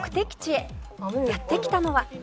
「やって来たのは」